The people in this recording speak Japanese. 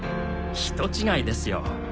人違いですよ。